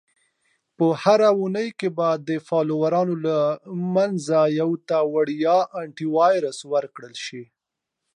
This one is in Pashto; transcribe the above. - په هره اونۍ کې د فالوورانو له منځه یو ته وړیا Antivirus ورکړل شي.